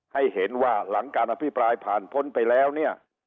ให้เห็นว่าหลังการอภิปรายผ่านพ้นไปแล้วเนี่ย